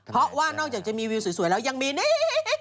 เพราะว่านอกจากจะมีวิวสวยแล้วยังมีนี่